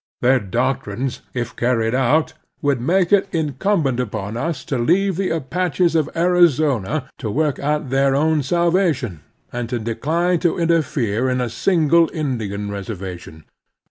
Their doc trines, if carried outp^'ould make it incumbent upon us to leave the Apaches of Arizona to work out their own salvation, and to decline to interfere 20 The Strenuous Life in a single Indian reservation.